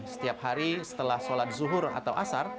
setiap hari setelah sholat zuhur atau asar